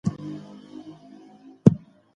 زه باید دا ټوټه هلته کېږدم.